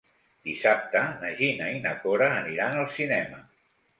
Dissabte na Gina i na Cora aniran al cinema.